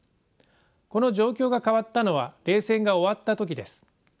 この状況が変わったのは冷戦が終わった時です。